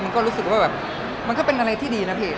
รู้สึกว่าแบบมันก็เป็นอะไรที่ดีนะพี่